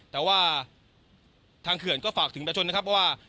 แต่ว่าทางเขื่อนก็ฝากถึงประชนนะครับว่า